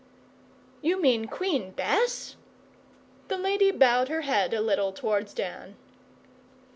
'You mean Queen Bess?' The lady bowed her head a little towards Dan.